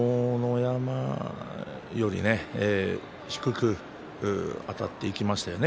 山よりも低くあたっていきましたよね